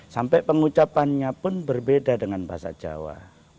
sampai pengucapannya pun berbeda dengan bahasa jawa